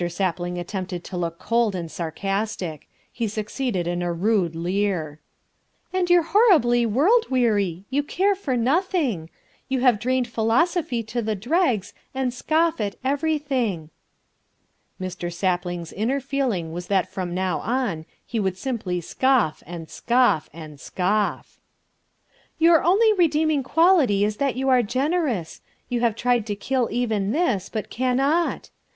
Sapling attempted to look cold and sarcastic. He succeeded in a rude leer. "And you're horribly world weary, you care for nothing. You have drained philosophy to the dregs, and scoff at everything." Mr. Sapling's inner feeling was that from now on he would simply scoff and scoff and scoff. "Your only redeeming quality is that you are generous. You have tried to kill even this, but cannot.